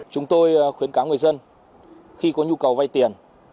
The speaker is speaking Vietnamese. chúng tôi khuyến cáo người dân khi có nhu cầu vay tiền